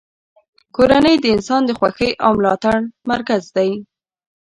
کورنۍ د انسان د خوښۍ او ملاتړ مرکز دی.